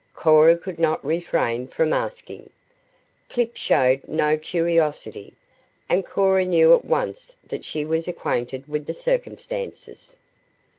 Cora could not refrain from asking. Clip showed no curiosity, and Cora knew at once that she was acquainted with the circumstances.